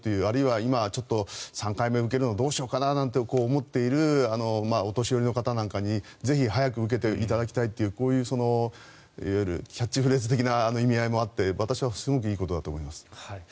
あるいは今３回目受けるのどうしようかななんて思っているお年寄りの方なんかにぜひ早く受けていただきたいというこういういわゆるキャッチフレーズ的な意味合いもあって私は、すごくいいことだと思います。